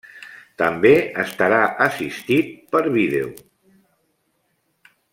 També estarà assistit per vídeo.